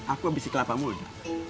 aku abisi kelapa mulu